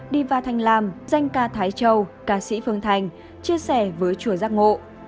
diva thanh lam danh ca thái châu ca sĩ phương thành chia sẻ với chùa giác ngộ